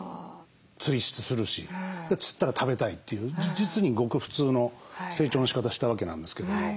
釣りするし釣ったら食べたいっていう実にごく普通の成長のしかたしたわけなんですけども。